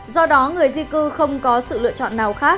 do đó người di cư không có sự lựa chọn nào khác